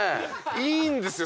いいんですよ。